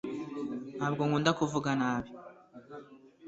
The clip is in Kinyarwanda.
ntabwo nkunda kuvuga nabi